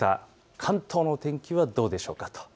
関東の天気はどうでしょうか。